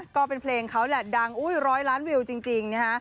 ก็เป็นเพลงเขาแหละดังอุ้ยร้อยล้านวิวจริงนะฮะ